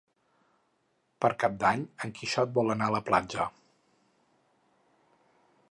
Per Cap d'Any en Quixot vol anar a la platja.